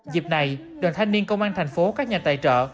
dịp này đoàn thanh niên công an thành phố các nhà tài trợ